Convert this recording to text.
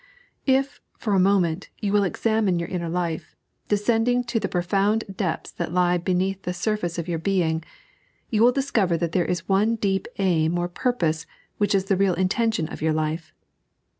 If, for a moment, you will examine your inner life, descending to the profound depths that lie beneath the sur face of your being, you will discover that there is one deep aim or purpose which is the real intention of your life.